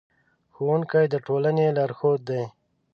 ښوونکي د ټولنې لارښود دي.